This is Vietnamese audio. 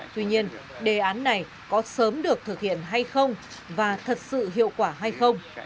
tuy nhiên đề án này có sớm được thực hiện hay không và thật sự hiệu quả hay không